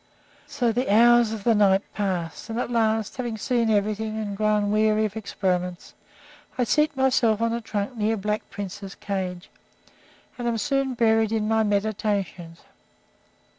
So the hours of the night pass, and at last, having seen everything and grown weary of experiments, I seat myself on a trunk near Black Prince's cage, and am soon buried in my meditations.